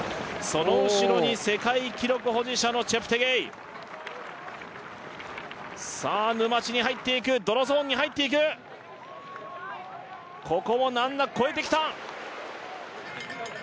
その後ろに世界記録保持者のチェプテゲイさあ沼地に入っていく泥ゾーンに入っていくここも難なく越えてきた